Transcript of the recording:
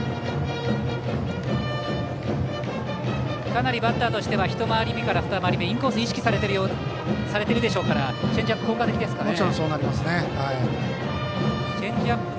かなりバッターは一回り目から二回り目インコースを意識されているでしょうからチェンジアップは効果的ですかね？